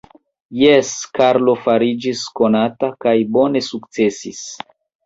Jes, Karlo fariĝis konata kaj bone sukcesis.